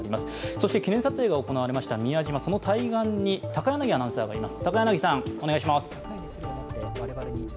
そして記念撮影が行われました宮島、その対岸に高柳アナウンサーがいます。